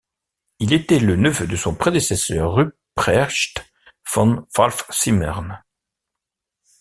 Il était le neveu de son prédécesseur Ruprecht von Pfalz-Simmern.